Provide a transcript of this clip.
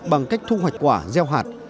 bằng cách thu hoạch quả gieo hạt